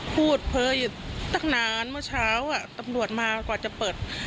เผลออยู่ตั้งนานเมื่อเช้าตำรวจมากว่าจะเปิด